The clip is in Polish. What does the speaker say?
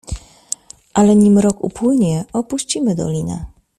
"Ale, nim rok upłynie, opuścimy dolinę."